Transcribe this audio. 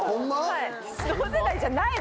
はい。